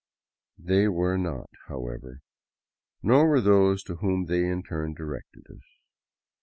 They were not, however; nor were those to whom they in turn di rected us.